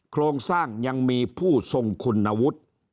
โครงสร้างยังมีผู้ทรงคุณวุฒิ